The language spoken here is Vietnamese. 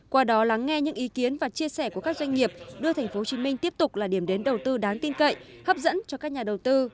qua đó lắng nghe những ý kiến và chia sẻ của các doanh nghiệp đưa thành phố hồ chí minh tiếp tục là điểm đến đầu tư đáng tin cậy hấp dẫn cho các nhà đầu tư